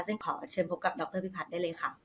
ซึ่งขอเชิญพบกับดรพิพัฒน์ได้เลยค่ะ